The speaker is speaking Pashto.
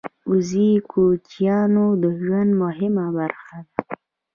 وزې د کوچیانو د ژوند مهمه برخه ده